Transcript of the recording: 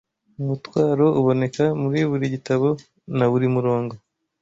umutwaro uboneka muri buri gitabo na buri murongo